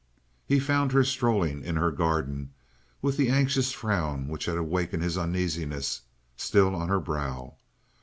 He found her strolling in her garden with the anxious frown which had awakened his uneasiness, still on her brow.